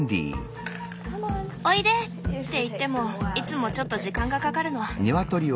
おいで！って言ってもいつもちょっと時間がかかるの。